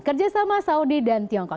kerja sama saudi dan tiongkok